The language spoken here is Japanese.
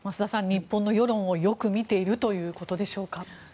日本の世論をよく見ているということでしょうか。